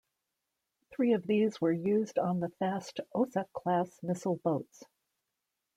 Three of these were used on the fast Osa class missile boats.